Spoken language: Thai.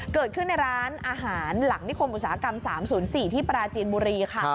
เกิดขึ้นในร้านอาหารหลังนิคมอุตสาหกรรม๓๐๔ที่ปราจีนบุรีค่ะ